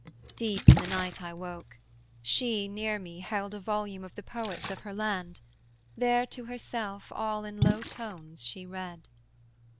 Deep in the night I woke: she, near me, held A volume of the Poets of her land: There to herself, all in low tones, she read.